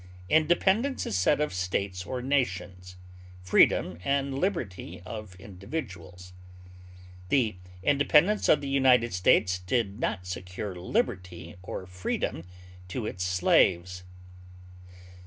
Independence is said of states or nations, freedom and liberty of individuals; the independence of the United States did not secure liberty or freedom to its slaves.